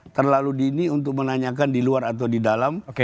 terlalu dini untuk menanyakan di luar atau di dalam